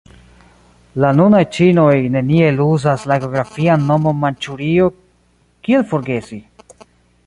La nunaj ĉinoj neniel uzas la geografian nomon Manĉurio – kiel forgesi?